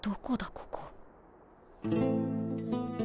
ここ。